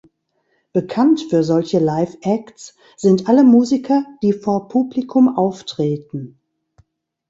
Bekannt für solche Liveacts sind alle Musiker, die vor Publikum auftreten.